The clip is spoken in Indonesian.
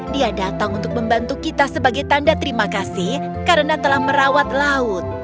dia datang untuk membantu kita sebagai tanda terima kasih karena telah merawat laut